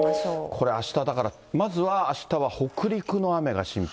これあした、だからまずはあしたは北陸の雨が心配。